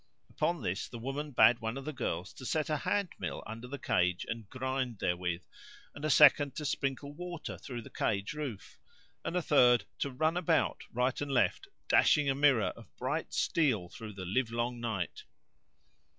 Upon this the woman bade one of the girls to set a hand mill under the cage and grind therewith and a second to sprinkle water through the cage roof and a third to run about, right and left, flashing a mirror of bright steel through the livelong night.